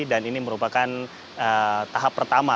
dan ini merupakan tahap pertama